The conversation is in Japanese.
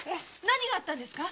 何かあったんですか？